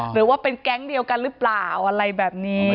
หรือว่าเป็นแก๊งเดียวกันหรือเปล่าอะไรแบบนี้